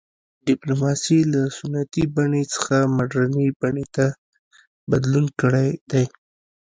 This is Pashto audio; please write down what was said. ډیپلوماسي له سنتي بڼې څخه مډرنې بڼې ته بدلون کړی دی